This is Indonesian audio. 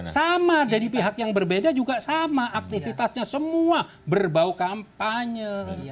sama dari pihak yang berbeda juga sama aktivitasnya semua berbau kampanye